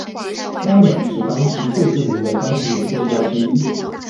Cramer 是当时最著名的钢琴演奏家之一。